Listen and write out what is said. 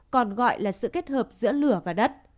còn gọi là sự kết hợp giữa lửa và đất